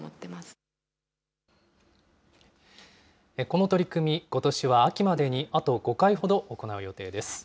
この取り組み、ことしは秋までにあと５回ほど行う予定です。